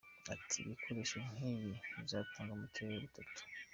Ati” Ibikoresho nk’ibi bizatangwa mu turere dutanu.